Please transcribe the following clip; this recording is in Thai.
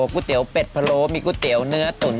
ก๋วยเตี๋ยวเป็ดพะโล้มีก๋วยเตี๋ยวเนื้อตุ๋น